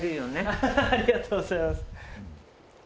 ハハハありがとうございます。